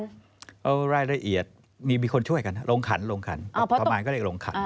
เอารายละเอียดมีคนช่วยกันลงขันลงขันประมาณก็เรียกลงขัน